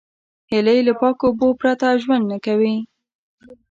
هیلۍ له پاکو اوبو پرته ژوند نه کوي